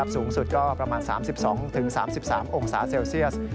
สูงสุดก็ประมาณ๓๒๓๓องศาเซลเซียส